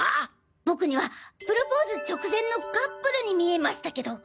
僕にはプロポーズ直前のカップルに見えましたけど。